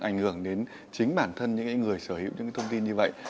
ảnh hưởng đến chính bản thân những người sở hữu những thông tin như vậy